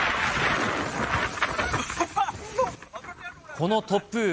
この突風。